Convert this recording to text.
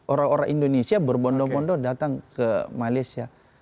orang orang indonesia berbondo bondo datang ke malaysia